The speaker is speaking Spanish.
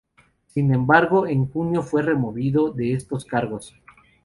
Sin embargo, en junio fue removido de estos cargos.